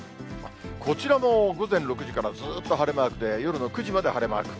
こちらも午前６時からずっと晴れマークで、夜の９時まで晴れマーク。